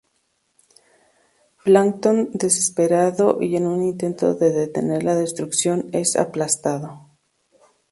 Plankton desesperado, y en un intento de detener la destrucción, es aplastado.